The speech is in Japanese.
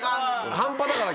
半端だから。